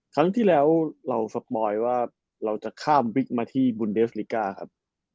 ครั้งที่แล้วเราสปอยว่าเราจะข้ามวิกมาที่บุญเดฟลิก้าครับ